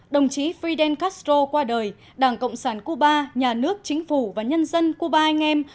đồng chí fidel castro qua đời đảng cộng sản cuba nhà nước chính phủ và nhân dân cuba anh em